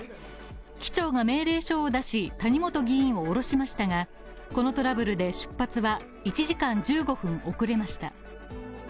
機長が命令書を出し、谷本議員を降ろしましたがこのトラブルで出発は１時間１５分遅れました。